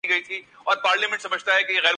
نام نہاد ترقی کی بنا پر